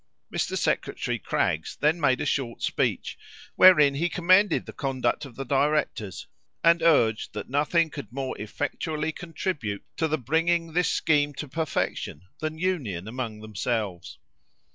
Mr. Secretary Craggs then made a short speech, wherein he commended the conduct of the directors, and urged that nothing could more effectually contribute to the bringing this scheme to perfection than union among themselves.